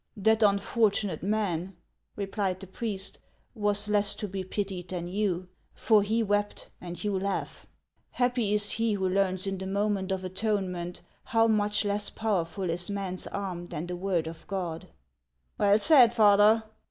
" That unfortunate man," replied the priest, " was less to be pitied than you ; for he wept, and you laugh. Happy is he who learns in the moment of atonement how much less powerful is man's arm than the word of God !" "Well said, Father!"